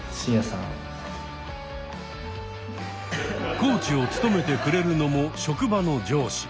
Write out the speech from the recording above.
コーチを務めてくれるのも職場の上司。